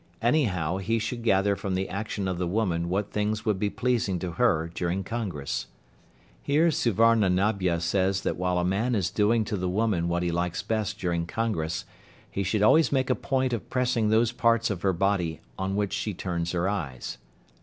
Any how he should gather from the action of the woman what things would be pleasing to her during congress. Here Suvarnanabha says that while a man is doing to the woman what he likes best during congress, he should always make a point of pressing those parts of her body on which she turns her eyes.